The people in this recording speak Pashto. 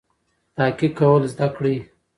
تحقیق کول زده کړئ.